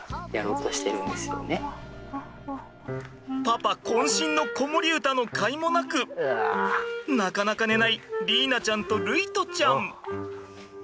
パパこん身の子守歌のかいもなくなかなか寝ない莉依菜ちゃんと琉維斗ちゃん。